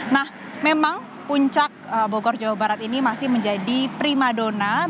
nah memang puncak bogor jawa barat ini masih menjadi prima dona